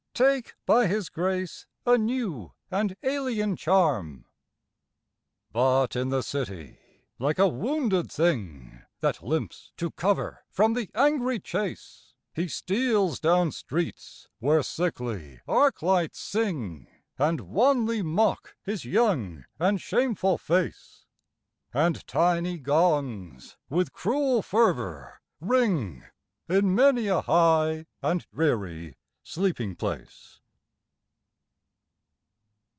Take by his grace a new and alien charm. But in the city, like a wounded thing That limps to cover from the angry chase, He steals down streets where sickly arc lights sing, And wanly mock his young and shameful face; And tiny gongs with cruel fervor ring In many a high and dreary sleeping place.